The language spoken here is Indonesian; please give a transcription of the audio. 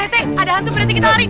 pak rete ada hantu berhenti kita lari